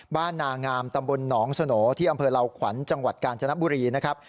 บ้านนางามตนสนที่อำเภอลาวขวัญจังหวัดกาญจนบุรีนะครับ